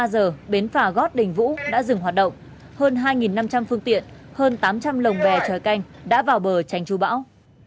một mươi ba h bến phà gót đình vũ đã dừng hoạt động hơn hai năm trăm linh phương tiện hơn tám trăm linh lồng bè trời canh đã vào bờ trành trú bão